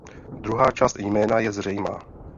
Druhá část jména je zřejmá.